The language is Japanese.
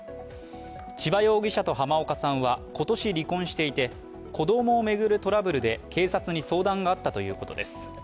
千葉容疑者と濱岡さんは今年離婚していて子供を巡るトラブルで警察に相談があったということです。